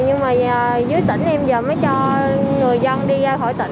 nhưng mà dưới tỉnh em giờ mới cho người dân đi ra khỏi tỉnh